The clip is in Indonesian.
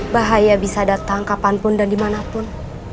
bahaya bisa datang kapanpun dan dimanapun